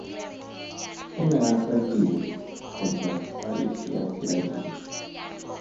O ne a sa dire kgotsa a ise a ke a dire.